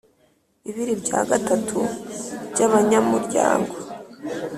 bibiri bya gatatu by abanyamuryango